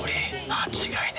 間違いねえ。